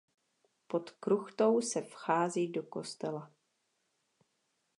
Pod kruchtou se vchází do kostela.